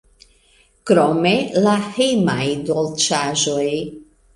Krome la hejmaj dolĉaĵoj.